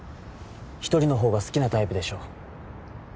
一人の方が好きなタイプでしょ